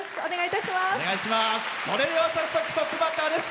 それでは早速トップバッターです。